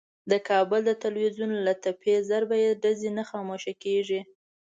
د کابل د ټلوېزیون له تپې ضربهیي ډزې نه خاموشه کېږي.